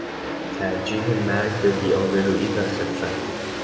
ترجیح مرگ به بی آبرویی و خفت